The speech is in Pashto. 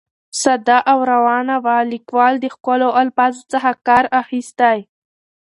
ساده او روانه وه، ليکوال د ښکلو الفاظو څخه کار اخیستى.